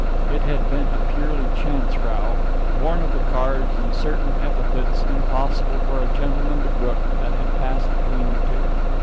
It had been a purely chance row, born of the cards and certain epithets impossible for a gentleman to brook that had passed between the two.